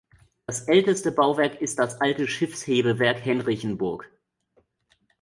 Das älteste Bauwerk ist das alte Schiffshebewerk Henrichenburg.